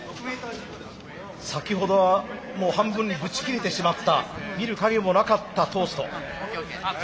先ほどはもう半分にぶち切れてしまった見る影もなかったトースト。